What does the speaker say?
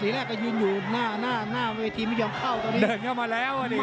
ตีแรกก็ยืนอยู่ในหน้าที่มันย่อมเข้าตอนนี้